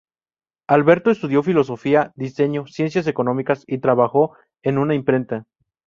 Alberto estudió filosofía, diseño, ciencias económicas, y trabajó en una imprenta.